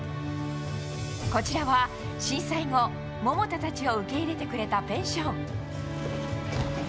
こちらは震災後桃田たちを受け入れてくれたペンション。